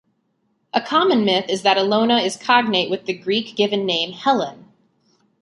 A common myth is that Ilona is cognate with the Greek given name "Helen".